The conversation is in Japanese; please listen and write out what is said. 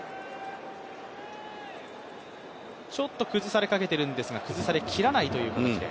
ちょっと崩されかけているんですが、崩され切らないという形で。